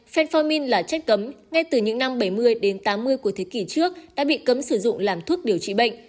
fenformin là chất cấm ngay từ những năm bảy mươi đến tám mươi của thế kỷ trước đã bị cấm sử dụng làm thuốc điều trị bệnh